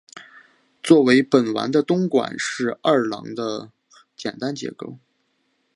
作为本丸的东馆是二廓的简单结构。